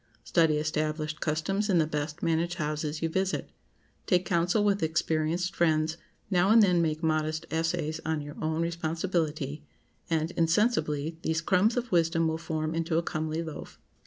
Study established customs in the best managed houses you visit; take counsel with experienced friends; now and then make modest essays on your own responsibility, and, insensibly, these crumbs of wisdom will form into a comely loaf.